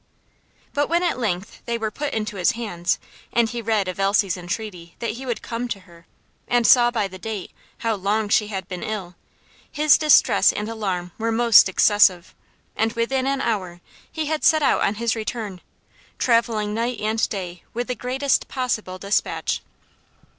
But when at length they were put into his hands, and he read of Elsie's entreaty that he would come to her, and saw by the date how long she had been ill, his distress and alarm were most excessive, and within an hour he had set out on his return, travelling night and day with the greatest possible despatch.